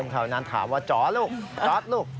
คนข่าวนานถามว่าจอร์ลูกจอร์สลูก